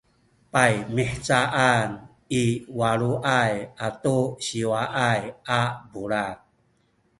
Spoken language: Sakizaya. paymihcaan i waluay atu siwaay a bulad